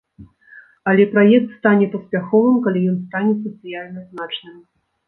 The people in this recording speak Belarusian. Але праект стане паспяховым, калі ён стане сацыяльна значным.